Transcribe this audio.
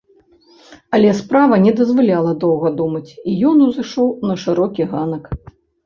Але справа не дазваляла доўга думаць, і ён узышоў на шырокі ганак.